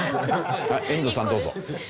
遠藤さんどうぞ。